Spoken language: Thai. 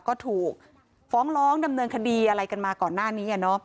ก็ถูกฟ้องร้องดำเนินคดีอะไรกันมาก่อนหน้านี้